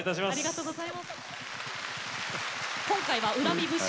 今回は「怨み節」